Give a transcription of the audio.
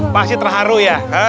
pasti terharu ya